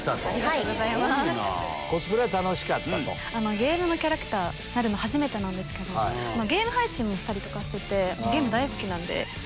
ゲームのキャラクターになるの初めてなんですけどゲーム配信もしたりとかしててゲーム大好きなので。